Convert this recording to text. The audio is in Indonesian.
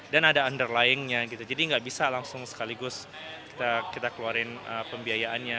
ada underlyingnya gitu jadi nggak bisa langsung sekaligus kita keluarin pembiayaannya